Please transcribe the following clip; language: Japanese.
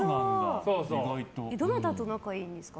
どなたと仲いいんですか？